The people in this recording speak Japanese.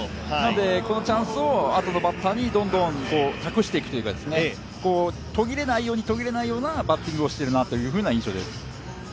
このチャンスを後のバッターにどんどん託していくというか途切れないように途切れないようなバッティングをしているなという印象でした。